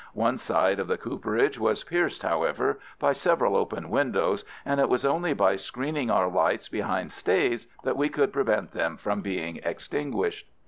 One side of the cooperage was pierced, however, by several open windows, and it was only by screening our lights behind staves that we could prevent them from being extinguished.